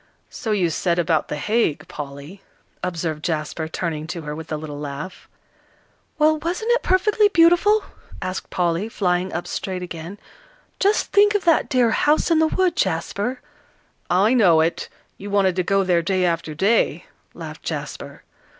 "So you said about The Hague, Polly," observed Jasper, turning to her with a little laugh. "Well, wasn't it perfectly beautiful?" asked Polly, flying up straight again. "Just think of that dear 'House in the Wood,' Jasper." "I know it; you wanted to go there day after day," laughed Jasper.